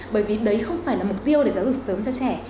bởi vì đấy không phải là mục tiêu để giáo dục sớm cho trẻ